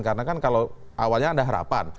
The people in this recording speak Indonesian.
karena kan kalau awalnya ada harapan